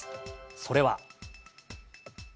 それは。